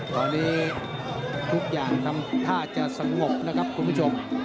ตอนนี้ทุกอย่างทำท่าจะสงบนะครับคุณผู้ชม